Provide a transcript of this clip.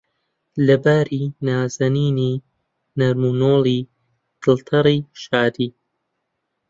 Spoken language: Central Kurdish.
لەباری، نازەنینی، نەرم و نۆڵی، دڵتەڕی، شادی